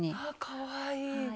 かわいい！